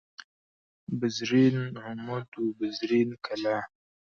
بزرین عمود و بزرین کلاه